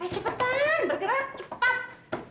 cepetan bergerak cepat